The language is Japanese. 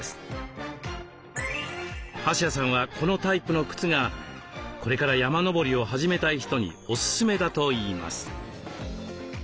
橋谷さんはこのタイプの靴がこれから山登りを始めたい人におすすめだといいます。